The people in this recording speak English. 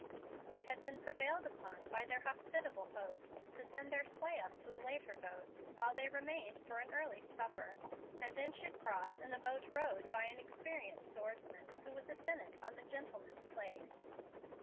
They had been prevailed upon by their hospitable host to send their sleigh up to a later boat, while they remained for an early supper, and then should cross in a boat rowed by an experienced oarsman, who was a tenant on the gentleman's place.